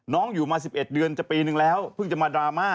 อยู่มา๑๑เดือนจะปีนึงแล้วเพิ่งจะมาดราม่า